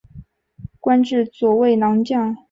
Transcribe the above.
官至左卫郎将。